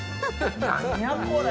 何やこれ！